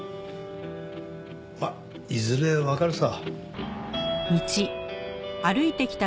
まあいずれわかるさ。